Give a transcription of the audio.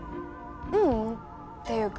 ううん。っていうか